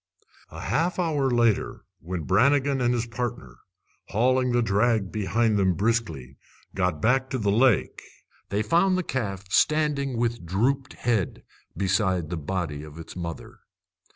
A half hour later, when Brannigan and his partner, hauling the drag behind them briskly, got back to the lake, they found the calf standing with drooped head beside the body of its mother.